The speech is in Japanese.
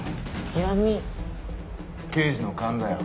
刑事の勘だよ。